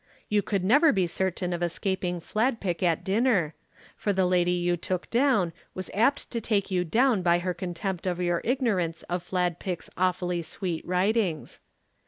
You could never be certain of escaping Fladpick at dinner, for the lady you took down was apt to take you down by her contempt of your ignorance of Fladpick's awfully sweet writings.